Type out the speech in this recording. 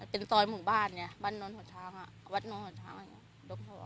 เป็นซอยหมู่บ้านเนี่ยบ้านโน้นหัวช้างอะวัดโน้นหัวช้างอะไรอย่างเนี่ยดงสวอง